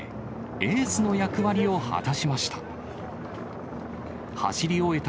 エースの役割を果たしました。